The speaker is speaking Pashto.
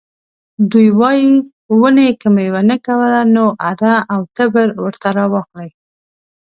دوی وايي ونې که میوه نه کوله نو اره او تبر ورته راواخلئ.